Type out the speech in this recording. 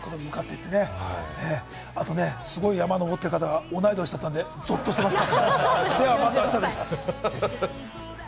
あとね、すごい山登ってる方が同い年だったんで、ぞっとしました。